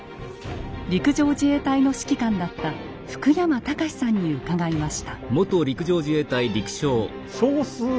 陸上自衛隊の指揮官だった福山隆さんに伺いました。